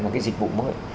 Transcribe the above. một cái dịch vụ mới